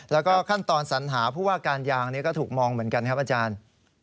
แล้วก็ขั้นตอนสัญหาผู้ว่าการยางก็ถูกมองเหมือนกันครับอาจารย์